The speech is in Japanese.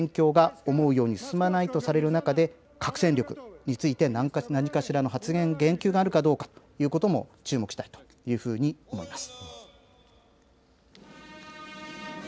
それから３つ目、戦況が思うように進まないとされる中で核戦力について何かしらの発言、言及があるかどうかということも注目したいというふうに思います。